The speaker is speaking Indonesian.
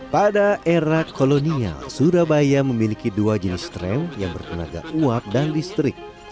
pada era kolonial surabaya memiliki dua jenis tram yang bertenaga uap dan listrik